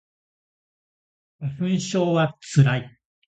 花粉症はつらい